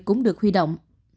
cũng được huy động